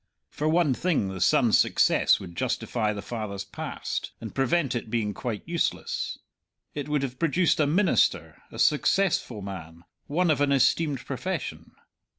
For one thing, the son's success would justify the father's past and prevent it being quite useless; it would have produced a minister, a successful man, one of an esteemed profession.